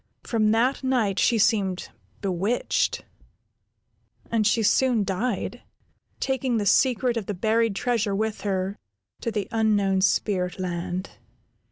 From that night she seemed bewitched, and she soon died, taking the secret of the buried treasure with her to the unknown spirit land.